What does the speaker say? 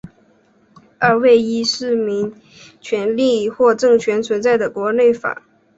二为依市民权利或政权存在的国内法。